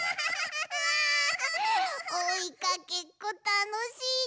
おいかけっこたのしいね！